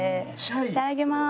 いただきます。